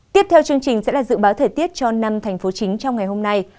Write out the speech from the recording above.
tiếp theo chương trình sẽ là dự báo thời tiết cho năm thành phố chính trong ngày hôm nay